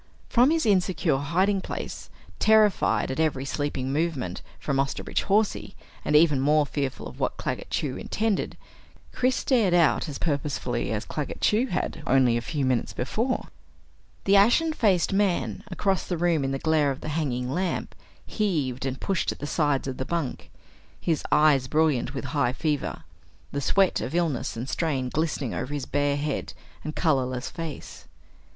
From his insecure hiding place, terrified at every sleeping movement from Osterbridge Hawsey, and even more fearful of what Claggett Chew intended, Chris stared out as purposefully as Claggett Chew had only a few moments before. The ashen faced man across the room in the glare of the hanging lamp heaved and pushed at the sides of the bunk, his eyes brilliant with high fever; the sweat of illness and strain glistening over his bare head and colorless face.